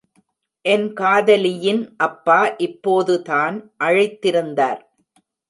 என் காதலியின் அப்பா இப்போதுதான் அழைத்திருந்தார்.